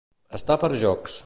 Estar per jocs.